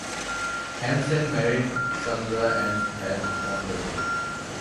Hansen married Sandra and had one daughter.